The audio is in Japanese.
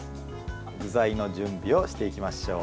具材の準備をしていきましょう。